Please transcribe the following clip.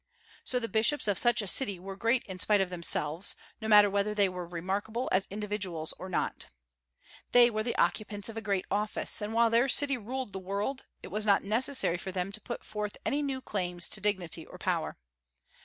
So the bishops of such a city were great in spite of themselves, no matter whether they were remarkable as individuals or not. They were the occupants of a great office; and while their city ruled the world, it was not necessary for them to put forth any new claims to dignity or power.